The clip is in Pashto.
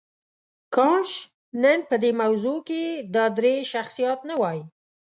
کاش نن په دې موضوع کې دا درې شخصیات نه وای.